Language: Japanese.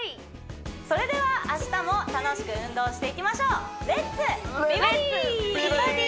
それでは明日も楽しく運動していきましょう「レッツ！美バディ」